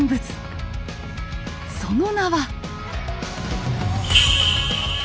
その名は。